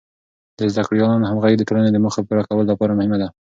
د زده کړیالانو همغږي د ټولنې د موخو د پوره کولو لپاره مهمه ده.